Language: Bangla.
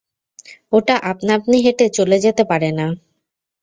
ওটা আপনাআপনি হেঁটে চলে যেতে পারে না!